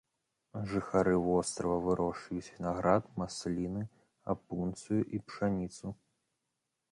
Жыхары вострава вырошчваюць вінаград, масліны, апунцыю і пшаніцу.